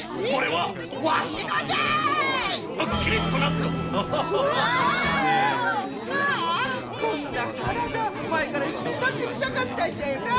はあこんなからだまえからいっぺんなってみたかったんじゃよな。